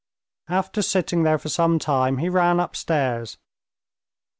After sitting there for some time he ran upstairs.